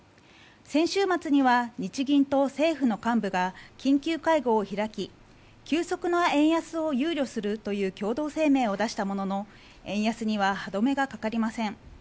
先週末には日銀と政府の幹部が緊急会合を開き急速な円安を憂慮するという共同声明を出したものの円安には歯止めがかかりません。